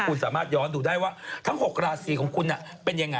คุณสามารถย้อนดูได้ว่าทั้ง๖ราศีของคุณเป็นยังไง